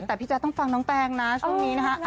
แต่พี่แจ๊คต้องฟังน้องแตงนะช่วงนี้นะฮะ